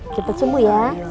cepet sembuh ya